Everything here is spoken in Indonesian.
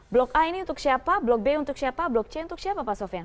blok a ini untuk siapa blok b untuk siapa blok c untuk siapa pak sofian